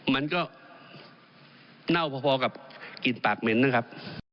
มันก็เน่าพอกับกลิ่นปากเหม็นนะครับ